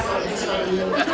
soalnya saya beli